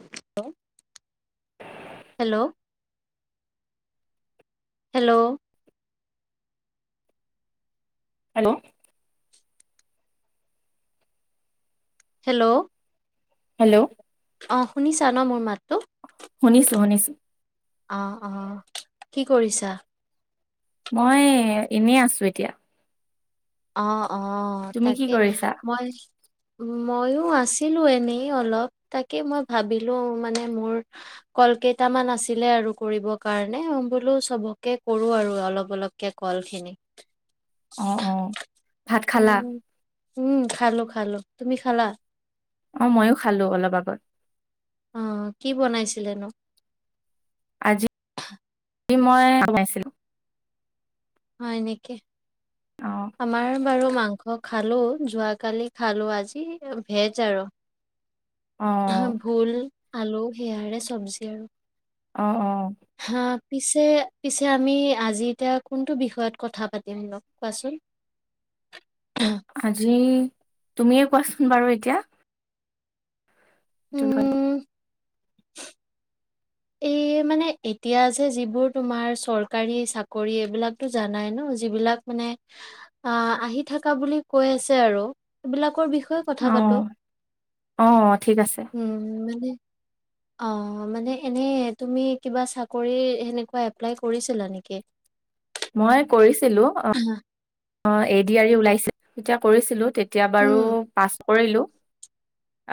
Hello! Hello! Hello! Hello! Hello! Hello! অ', শুনিছা ন' মোৰ মাতটো? শুনিছোঁ, শুনিছোঁ। অ', অ', কি কৰিছা? মই এনে আছোঁ এতিয়া। অ', অ', তুমি কি তাকে কৰিছা মই মইয়ো আছিলোঁ এনেই অলপ, তাকে মই ভাবিলোঁ মানে মোৰ ক'ল কেইটামান আছিলে আৰু কৰিব কাৰণে বোলোঁ চ'বকে কৰোঁ আৰু অলপ, অলপ। কে ক'লখিনি। অ', অ'। ভাত খালা উম, উম, খালোঁ, খালোঁ তুমি খালা? অ', মইয়ো খালোঁ অলপ আগত। অ', কি বনাইছিলেনো? আজি মই হয় নেকি অ আমাৰ বাৰু মাংস খালো যোৱাকালি খালো আজি ভেজ আৰু অ ভোল আলু সেয়াৰে চব্জি আৰু অ অ [inaudible] হা পিছে পিছে আমি আজি এতিয়া কোনটো বিষয়ত কথা পাতিম অলপ কোৱাচোন অ আজি তুমিয়ে কোৱাচোন বাৰু এতিয়া [unintelligible] উম এই মানে এতিয়া যে যিবোৰ তোমাৰ চৰকাৰী চাকৰি এইবিলাকতো জানাই ন যিবিলাক মানে আ আহি থকা বুলি কৈ আছে আৰু এইবিলাকৰ বিষয়ে কথা অ পাতো অ ঠিক আছে উম মানে অ মানে এনে তুমি কিবা চাকৰি সেনেকুৱা এপ্লাই কৰিছিলা নেকি মই কৰিছিলো অ অ এদিয়াৰি ওলাইছিল তেতিয়া কৰিছিলো তেত তেতিয়া বাৰু উম পাছ কৰিলো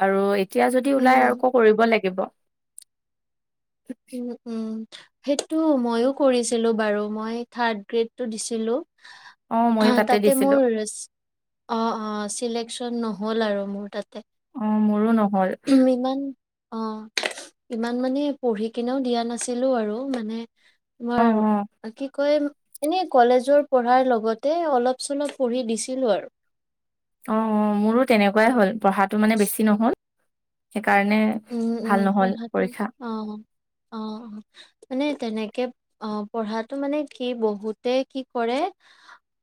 আৰু এতিয়া যদি ওলাই উম আকৌ কৰিব লাগ গিব উম উম সেইটো মইয়ো কৰিছিলো বাৰু মই থাৰ্ড গ্ৰেডটো দিছিলো অ তাতে মোৰ অ অ চিলেকচন নহ'ল আৰু মোৰ তাতে অ মোৰো নহল উম ইমান অ ইমান মানে পঢ়ি কিনেও দিয়া নাছিলো আৰু মানে অ তোমাৰ অ কি কয় এনে কলেজৰ পঢ়াৰ লগতে অলপ চলপ পঢ়ি দিছিলো আৰু অ অ মোৰো তেনেকুৱাই হ'ল পঢ়াটো মানে বেছি নহ'ল সেইকাৰণে ভাল নহল পৰীক্ষা অহ অহ অ মানে তেনেকে অ পঢ়াটো মানে কি বহুতে কি কৰে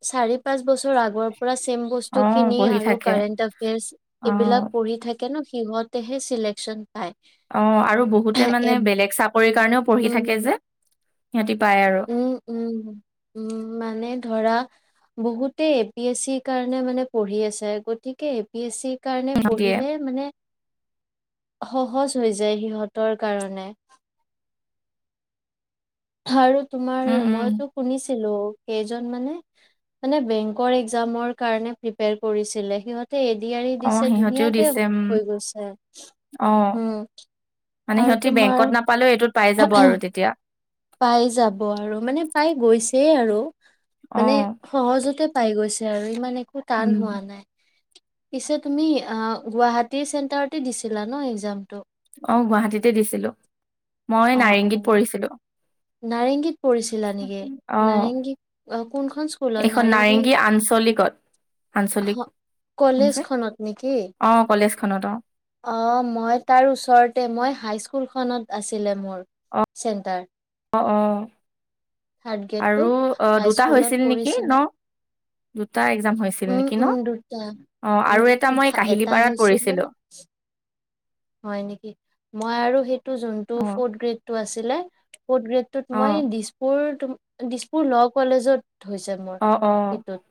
চাৰি পাঁচ বছৰ আগৰ পুৰা চেম বস্তু অ কিনি পঢ়ি আৰু থাকে কাৰেন্ট অফিযাছ অ এইবিলাক পঢ়ি থাক থাকে ন সিহঁতেহে চিলেকচন পায় অ আৰু বহুতে এ মানে বেলেগ চাকৰি কাৰণেও পঢ়ি উম থাকে যে সিহঁতি পায় আৰু উম উম উম মানে ধৰা বহুতে এ পি এছ চিৰ কাৰণে মানে পঢ়ি আছে গতিকে এ পি এছ চিৰ কাৰণে দিয়ে পঢ়িলে মানে সহজ হৈ যায় সিহঁতৰ কাৰণে আৰু তোমাৰ উম উম মইতো শুনিছিলো কেইজন মানে মানে বেংকৰ একজামৰ কাৰণে প্ৰিপায়াৰ কৰিছিলে সিহঁত তে এডিয়াৰি অ দিছে সিহঁতেও ধুনীয়াকে দিছে উম হৈ গৈছে অ উম মানে আৰু সিহঁতি তোমাৰ বেংকত নাপালেও এইটোত পাই যাব আৰু তেতিয়া পাই যাব আৰু মানে পাই গৈছে আৰু অ মানে সহজতে পাই গৈছে আৰু ইমান একো উম টান হোৱা নাই পিছে তুমি অ গুৱাহাটী চেন্টাৰতে দিছিলা ন একজামটো অ গুৱাহাটীতে দিছিলো মই অ' নাৰেংগীত অ' পৰিছিলো নাৰেংগীত পৰিছিলা নেকি নাৰেংগীত কোনখন এখন নাৰেংগী আঞ্চলিকত আঞ্চলিক হ- খন যে, কলেজখনত অঁ কলেজখনত অঁ। অঁ মই তাৰ ওচৰতে মই হাইস্কুলখনত আছিলে মোৰ অ অ চেণ্টাৰ। অ অঁ, থাৰ্ড গ্ৰেডটো আৰু অঁ দুটা হাইস্কুলত হৈছিল নেকি পঢ়িছিলোঁ। ন? দুটা এক্সাম হৈছিল উম, নেকি ন, উম, দুটা। অঁ উম, আৰু এটা মই থা- এটা কাহিলীপাৰাত হৈছিলে পৰিছিলো। হয় নেকি? মই আৰু সেইটো যোনটো অ ফৰ্ড গ্ৰেডটো আছিলে, ফ্ৰেড গেৰ্ড টোত অ মই দিছপুৰ টো দিছপুৰ লঅ কলেজত হৈছে। মোৰ। অ' অঁ। সেইটোত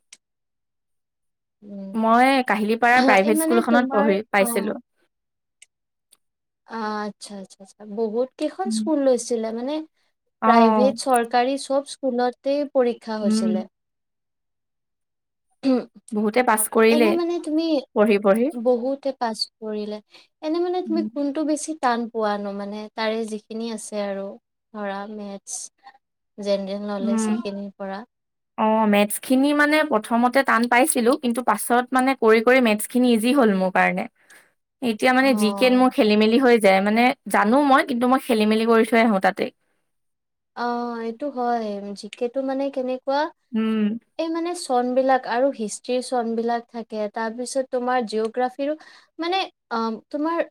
উম, মই কাহিলী পাৰা এই প্ৰাইভেট মানে স্কুলখনত তোমাৰ পঢ়ি অ', পাইছিলো। অঁ, আচ্ছা আচ্ছা আচ্ছা, বহুত কেইখন স্কুল লৈছিলে মানে অ প্ৰাইভেট চৰকাৰী চব স্কুলতেই পৰীক্ষা উম হৈছিলে। উম। বহুতে পাছ কৰিলে এনেই মানে তুমি পঢ়ি পঢ়ি বহুতে পাছ কৰিলে। এনেই মানে তুমি উম কোন কোনটো বেছি টান পোৱা নো মানে তাৰে যিখিনি আছে আৰু ধৰা মেথ্ছ। জেনেৰেল নলেজ সেইখিনিৰ পৰা। অঁ, মেথছ খিনি মানে প্ৰথমতে টান পাইছিলো, কিন্তু পাছত মানে কৰি কৰি মেথছখিনি ইজি হ'ল মোৰ কাৰণে। এতিয়া মানে জি কে অ', মোৰ খেলি মেলি হৈ যায়, মানে জানো মই কিন্তু মই খেলি মেলি কৰি থৈ আহো তাতে। অঁ, এইটো হয় জি কেটো মানে কেনেকুৱা উম। এই মানে চন বিলাক আৰু হিষ্ট্ৰীৰ চন বিলাক থাকে, তাৰ পিছত তোমাৰ জিঅ'গ্ৰাফিৰো মানে, অঁ তোমাৰ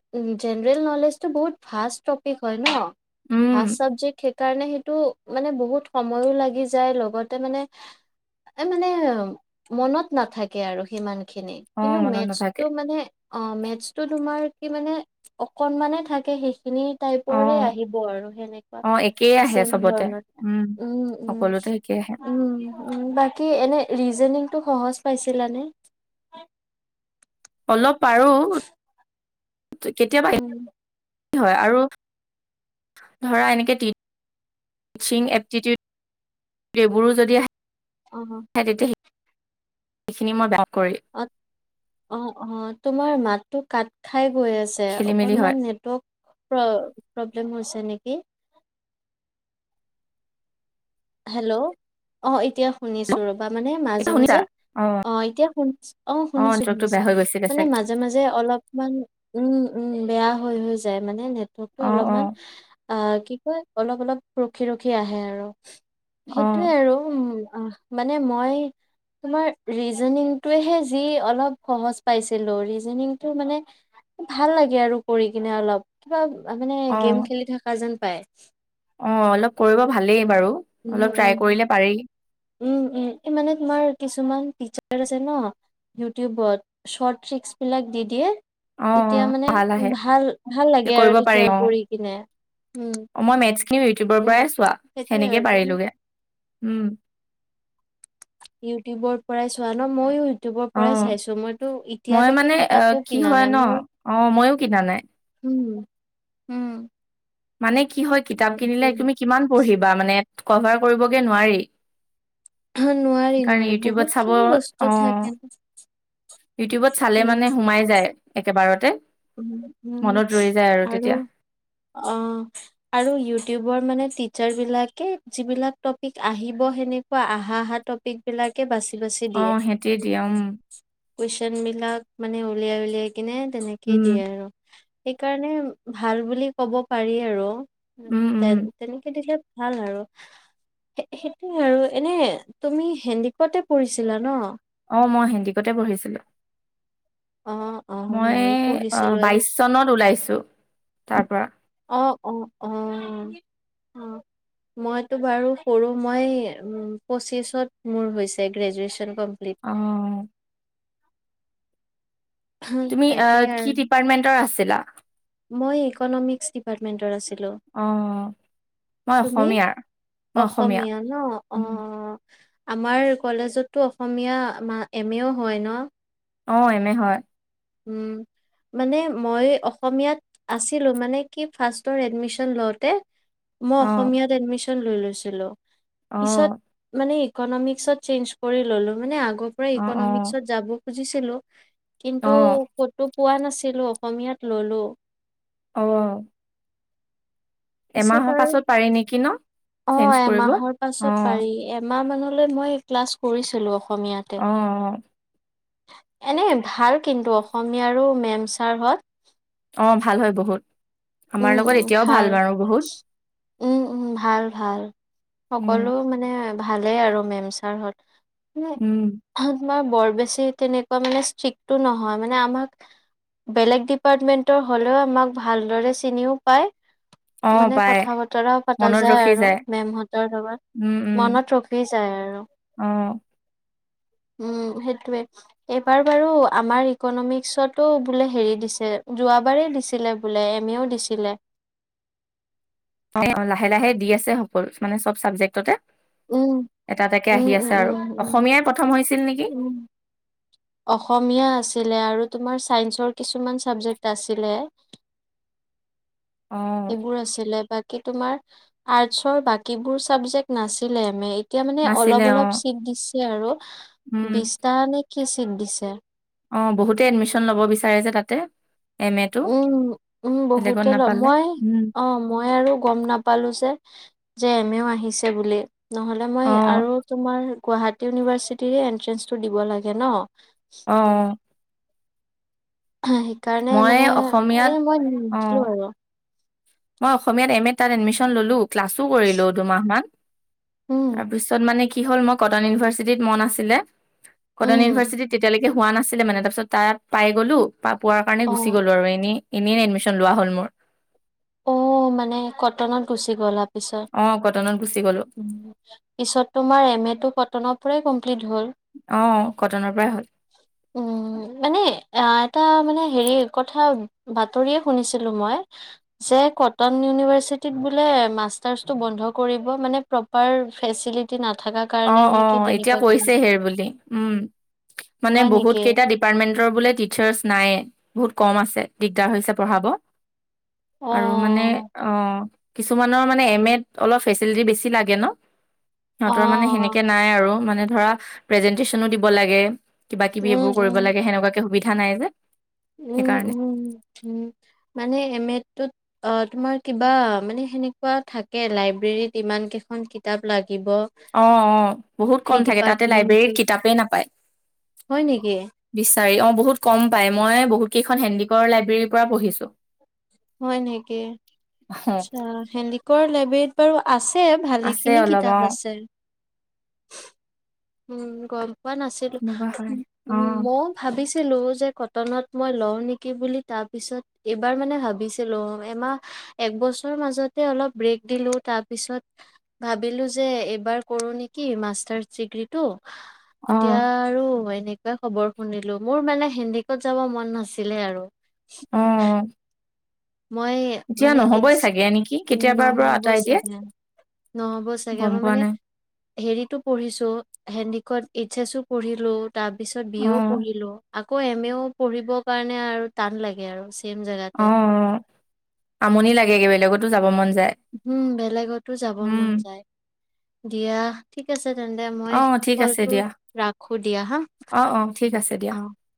জেনেৰেল নলেজ টো বহুত ভাহ টপিক হয় ন? উম ভাজ চাবজেক্ট থা কাৰণে সেইটো মানে বহুত সময়ো লাগি যায়, লগতে মানে এ মানে মনত নাথাকে আৰু সিমান খিনি, অ কিন্তু মনত নাথাকে মেথছটো মানে অঁ' মেথছ টো তোমাৰ কি মানে অকনমানে থাকে, সেইখিনি টাইপৰে অ', আহিব আৰু সেনেকুৱা। অ', একেই আহে চেমই চবতে ধৰণৰ, উম উম সকলোতে একে আহে উম। উম, বাকী এনেই ৰিজনিংটো সহজ পাইছিলানে? অলপ পাৰো। উম [inaudible] [inaudible] অঁ। [inaudible] অঁ অঁ অঁ, তোমাৰ মাতটো কাত খাই গৈ আ ছে খেলি মেলি হয় অকনমান নেটৱৰ্ক প্ৰ প্ৰব্লেম হৈছে নেকি? হেল্ল, অঁ এতিয়া শুনিছো ৰবা মানে এইটো মাজে শুনিছা মাজে অ', অঁ, এতিয়া শুনিছ অঁ অ', শুনিছো নেটৱৰ্কটো শুনিছো বেয়া হৈ গৈছিলে মানে চাগে মাজ মাজে মাজে অলপমান উম উম বেয়া হৈ হৈ যায়, মানে নেটৰ্কটো অ', অলপমান অ', অঁ কি কয়, অলপ অলপ ৰখি ৰখি আহে আৰু। অ', সেইটোযৱে আৰু অঁ মানে মই তোমাৰ ৰিজনিংটোহে অলপ সহজ ৰিজনিংটোৰ মানে ভাল লাগে আৰু কৰি কিনে অলপ, কিবা মানে গেম খেলি থকা যেন পায়। অঁ, অলপ কৰিব ভালেই বাৰু, উম অলপ ট্ৰাই উম কৰিব পাৰি। উম, উম মানে তোমাৰ কিছুমান টিচাৰ আছে ন ইউটিউবত শ্বৰ্ট ৰিক্চবিলাক দি দিয়ে অ', তেতিয়া অ', মানে ভাল আহে ভাল ভাল লাগে কৰিব আৰু পাৰি তেতিয়া কৰি কিনে উম, অ' মই মেথছ খিনি ইউটিউবৰ উম। পৰাই চোৱা, সেইটোয়ে সেনেকেই আৰু মানে পাৰিলোগে উম ইউটিউবৰ পৰাই চোৱা ন ময়ো ইটউবৰ পৰাই অ'। চাইছো মইতো মই এতিয়ালৈকে মানে অ কিতাপো কি কিনা হয় নাই ন মোৰ অ মইয়ো কিনা নাই উম উম মানে কি হয় কিতাপ কিনিলে এইটো তুমি কিমান পঢ়িবা মানে, কভাৰ কৰিবগে নোৱাৰি নোৱাৰি সেইকাৰণে নোৱাৰি ইউটিউবত বহুত চাব খিনি বস্তু অ থাকে ইউটিউবত চালে উম, মানে সোমাই যায় একেবাৰতে উম উম মনত ৰৈ যায় আৰু তেতিয়া অ আৰু ইউটিউবৰ মানে টিচাৰ বিলাকে যিবিলাক টপিক আহিব সেনেকুৱা আহা আহা টপিক বিলাকে বাচি বাচি অ দিয়ে সিহঁতি দিয়ে উম কুৱেশ্বন বিলাক মানে উলিয়াই উলিয়াই কিনে তেনেকেই উম দিয়ে আৰু সেইকাৰণে ভাল বুলি ক'ব পাৰি আৰু উম তে উম তেনেকে দিলে ভাল আৰু সে-সেইটোৱে আৰু এনে তুমি হেণ্ডিকতে পৰিছিলা ন অ মই হেণ্ডিকতে পঢ়িছিলো অ অ মই ময়ো অ পঢ়িছিলো বাইশ চনত ওলাইছো, তাৰ পৰা অ অ অ উম মইটো বাৰু সৰু মই পঁচিছত মোৰ হৈছে গ্ৰেজুৱেচন কমপ্লিট অ তুমি অ তাকে আৰু কি ডিপাৰ্টমেন্টৰ আছিলা মই ইকনমিক্স ডিপাৰ্টমেণ্টৰ আছিলোঁ অ মই তুমি অসমীয়াৰ অসমীয়া ন অ অ উম, আমাৰ কলেজততো অসমীয়া মা এম এও হয় ন অ এম এ হয় উম মানে মই অসমীয়াত আছিলো মানে কি ফাৰ্ষ্টৰ এডমিশ্যন লওঁতে মই অ অসমীয়াত এডমিশ্যন লৈ লৈছিলো পিছত অ', মানে ইকনমিক্সত চেঞ্জ কৰি ললো মানে আগৰ পৰাই অ', অ', ইকনমিক্সত যাব খুজিছিলো টো অ', ক'তো পোৱা নাছিলো অসমীয়াত ললোঁ অ পিছত এমাহৰ আৰু পাছত পাৰি নেকি ন অ, চেঞ্জ কৰিব অ', এমাহৰ পাছত অ', পাৰি এমাহ মানলৈ মই ক্লাছ কৰিছিলো অসমীয়াত অ এনেই ভাল কিন্তু অসমীয়াৰো মেম ছাৰ হঁত অ ভাল হয় বহুত আমাৰ উম, লগত উম, এতিয়াও ভাল বাৰু বহুত উম উম ভাল ভাল উম, সকলো মানে ভালেই আৰু মেম ছাৰ হঁত উম তোমাৰ বৰ বেছি তেনেকুৱা মানে ষ্ট্ৰিক্টো নহয় মানে আমাক বেলেগ ডিপাৰ্টমেন্টৰ হ'লেও আমাক ভালদৰে চিনিও পায় অ', মানে পায় কথা বতৰাও পাতা মনত যায় ৰখি আৰু মেমহঁতৰ লগত উম, উম, মনত ৰখি যায় আৰু। অ', উম, সেইটোৱে এইবাৰ বাৰু আমাৰ ইকনমিক্সতো বোলে হেৰি দিছে, যোৱাবাৰেই দিছিলে বোলে, এম এ ও দিছিলে। অ লাহে লাহে দি আছে সকলো মানে, চব চাবজেক্ট তে। উম, এটা এটাকে উম, আহি উম, আছে আৰু। উম, উম, অসমীয়াই প্ৰথম হৈছিল নেকি? উম। অসমীয়া আছিলে আৰু তোমাৰ চাইন্সৰ কিছুমান চাবজেক্ট আছিলে। অ', সেইবোৰ আছিলে। বাকী তোমাৰ আৰ্টছৰ বাকীবোৰ চাবজেক্ট নাছিলে এম এত। এতিয়া মানে নাছিলে অলপ অলপ অ', চিট দিছে আৰু উম, বিশটা নে কি চিট দিছে। অ, বহুতে এডমিশ্যন ল'ব বিচাৰে যে তাতে। এম এটো উম, উম, বেলেগত বহুতে লয়। নাপালে মই উম, অ মই আৰু গম না পালো যে যে এমেও আহিছে বুলি নহলে মই অ', আৰু তোমাৰ গুৱাহাটী ইউনিভাৰ্চিটিৰে এন্ট্ৰেন্ঞ্চটো দিব লাগে ন অ সেইকাৰণে মই মানে অসমীয়াত এ মই নি অ', নিদিলো আৰু মই অসমীয়া এম এ তাত এডমিশন ললো ক্লাছ কৰিলো দুমাহ মান উম। তাৰ পিছত মানে কি হল মোৰ কটন ইউনিভাৰ্ছিটিত মন আছিলে কটন উম, ইউনিভাৰ্ছিটিত তেতিয়া লৈকে সে হোৱা নাছিলে মানে তাৰ পিছত তাত পাই গলো পা পোৱাৰ কাৰণে গুচি অ', গ'লো আৰু এনেই এনেই এডমিশন লোৱা হ'ল মোৰ অ মানে কটনত গুচি গ'লা পিছত অ', কটনত গুচি গ'লো। পিছত তোমাৰ এম এ টো কটনৰ পৰাই কমপ্লিট হ'ল অ কটনৰ পৰাই হ'ল উম মানে অ এটা মানে হেৰি কথা বাতৰিয়ে শুনিছিলো মই যে কটন ইউনিভাৰ্চিটিত বোলে মাষ্টাৰ্চটো বন্ধ কৰিব মানে পাৰ ফেচিলিটি নাথাকাত অ অ এতিয়া কৈছে হেৰ বুলি উম মানে হয় বহুত নেকি? কেইটা ডিপ ডিপাৰ্টমেন্টৰ বোলে টিচাৰ্চ নাইয়েই বহুত কম আছে দিগদাৰ হৈছে পঢ়াব আৰু মানে অ', অ কিছুমানৰ মানে এম এত অলপ ফেচিলিটি বেছি লাগে ন অ', সিহঁত মানে সেনেকে অ', নাই আৰু মানে ধৰা প্ৰেজেন্টেচনো দিব লাগে কিবা কিবি উম, এইবোৰ কৰিব উম। লাগে সেনেকুৱাকে সুবিধা নাই যে উম সেইকাৰণে উম মানে এম টোত অ তোমাৰ কিবা মানে সেনেকুৱা থাকে লাইব্ৰেৰীত ইমান কেইখন কিতাপ লাগিব অ অ বহুত কম সেই থাকে তাতে লাইব্ৰেৰীত ডিপাৰ্টমেন্টটোত কিতাপেই নাপায় হয় নেকি? বিচাৰি অ বহুত কম পাই মই বহুত কেইখন হেণ্ডিকৰ লাইব্ৰেৰীৰ পৰা পঢ়িছো হয় নেকি অ আচ্ছা হেণ্ডিকৰ লাইব্ৰেৰীত বাৰু আছে আছে ভালেখিনি অলপ অ কিতাপ আছে উম গম পোৱা নাছিলো সেনেকুৱা হয় অ উম মও ভাবিছিলো যে কটনত মই লওঁ নেকি বুলি তাৰ পিছত এইবাৰ মানে ভাবিছিল ছিলো এমাহ একবছৰ মাজতে অলপ ব্ৰেক দিলো তাৰপিছত ভাবিলো যে এইবাৰ কৰো নেকি মাষ্টাৰ্চ ডিগ্ৰীটো অ তেতিয়া আৰু এনেকুৱাই খবৰ শুনিলো মোৰ মানে হেণ্ডিকত যাব মন নাছিলে আৰু অ অ মই মানে এইছ চাগে নেকি কেতিয়াবাৰ পৰা নহ'ব আঁতৰাই দিয়ে চাগে নহ'ব চাগে গম মই পোৱা মানে নাই হেৰিতো পঢ়িছো হেণ্ডিকট এইচ এছো পঢ়িলো। তাৰ পিছত বি অ এও পঢ়িলো আকৌ এম এও পঢ়িবৰ কাৰণে আৰু টান লাগে আৰু। ছেম জেগাতে অ আমনি লাগে বেলেগতো যাব মন যায়। উম বেলেগতো যাব উম মন যায়। দিয়া ঠিক আছে তেন্তে মই অ ঠিক আছে কলটো দিয়া ৰাখো দিয়া হা। অ অ ঠিক আছে দিয়া। অ অ